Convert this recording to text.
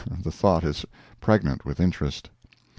The thought is pregnant with interest.)